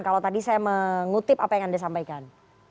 kalau tadi saya mengutip apa yang anda sampaikan